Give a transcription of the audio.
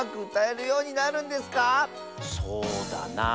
そうだなあ。